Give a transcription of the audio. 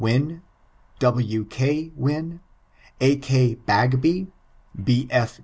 WINN, W. K. WINN. A. K. BAGBY, B. F.